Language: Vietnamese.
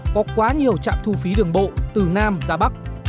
có quá nhiều trạm thu phí đường bộ từ nam ra bắc